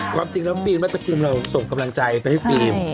ความจริงแล้วฟิล์มัตกีมเราส่งกำลังใจไปให้ฟิล์ม